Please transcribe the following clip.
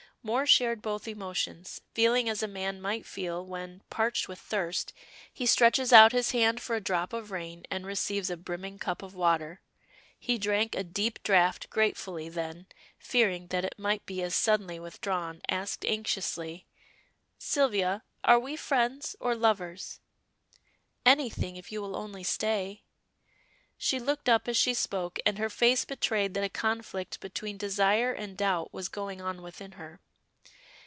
Moor shared both emotions, feeling as a man might feel when, parched with thirst, he stretches out his hand for a drop of rain, and receives a brimming cup of water. He drank a deep draught gratefully, then, fearing that it might be as suddenly withdrawn, asked anxiously "Sylvia, are we friends or lovers?" "Anything, if you will only stay." She looked up as she spoke, and her face betrayed that a conflict between desire and doubt was going on within her.